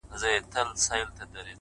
اراده د ستونزو تر ټولو لنډه لاره لنډوي